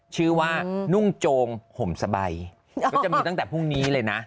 ชื่อว่านุ่งโจงห่มสบายก็จะมีตั้งแต่พรุ่งนี้เลยนะ